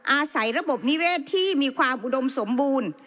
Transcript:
อาศัยระบบนิเวศที่มีความอุดมสมบูรณ์